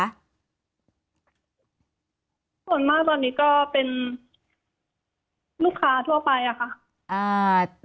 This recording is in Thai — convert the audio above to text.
ส่วนมากตอนนี้ก็เป็นลูกค้าทั่วไปอะค่ะ